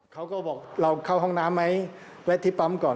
เขาก็บอกเราเข้าห้องน้ำไหมแวะที่ปั๊มก่อน